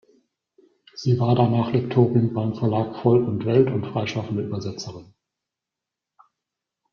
Sie war danach Lektorin beim Verlag Volk und Welt und freischaffende Übersetzerin.